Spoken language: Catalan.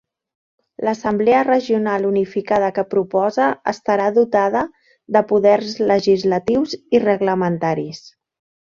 L'assemblea regional unificada que proposa estarà dotada de poders legislatius i reglamentaris.